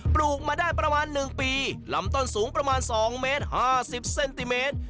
ปลูกมาได้ประมาณ๑ปีลำต้นสูงประมาณ๒เมตร๕๐เซนติเมตร